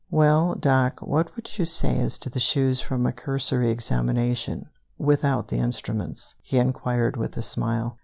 "Well, Doc, what would you say as to the shoes from a cursory examination, without the instruments?" he inquired with a smile.